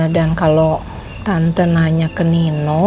dan kalau tante nanya ke nino